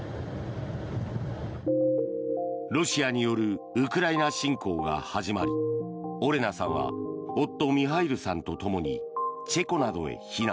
ロシアによるウクライナ侵攻が始まりオレナさんは夫・ミハイルさんとともにチェコなどへ避難。